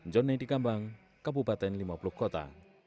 jonny dikambang kabupaten lima puluh kota